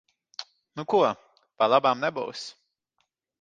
Nu ko, pa labam nebūs.